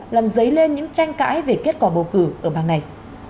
làm dấy lên những tranh cãi về kết quả bầu cử ở bang này